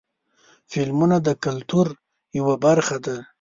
فلمونه د کلتور یوه برخه ده.